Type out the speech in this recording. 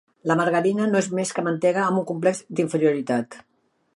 La margarina no és més que mantega amb un complex d'inferioritat.